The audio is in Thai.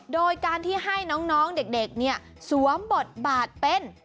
โดยการที่ให้น้องเด็กสวมบทบาทเป็น